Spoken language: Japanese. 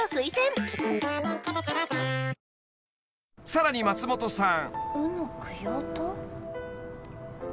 ［さらに松本さん］